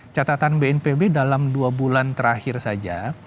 catatan bnpb dalam dua bulan terakhir saja